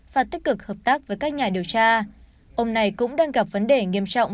và tích cực hợp tác với các nhà điều tra ông này cũng đang gặp vấn đề nghiêm trọng